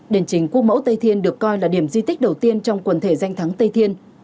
đền chính quốc mẫu tây thiên được coi là điểm di tích đầu tiên trong quần thể danh thắng tây thiên